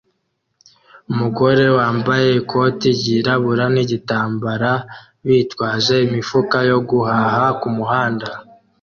Umugore wambaye ikoti ryirabura nigitambara bitwaje imifuka yo guhaha kumuhanda